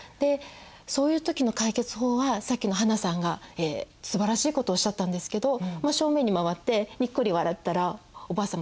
そういう時の解決法はさっきの英さんがすばらしいことをおっしゃったんですけど正面に回ってニッコリ笑ったらおばあ様